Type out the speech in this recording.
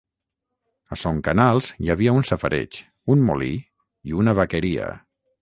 A son Canals hi havia un safareig, un molí i una vaqueria.